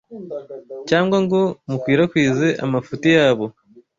cyangwa ngo mukwirakwize amafuti yabo